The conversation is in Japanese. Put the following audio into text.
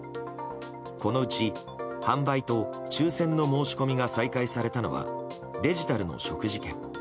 このうち販売と抽選の申し込みが再開されたのはデジタルの食事券。